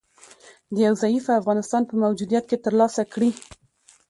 د یو ضعیفه افغانستان په موجودیت کې تر لاسه کړي